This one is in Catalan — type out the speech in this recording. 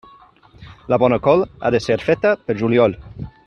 La bona col ha de ser feta pel juliol.